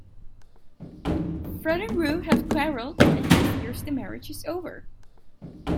Fred and Roo have quarreled and he fears the marriage is over.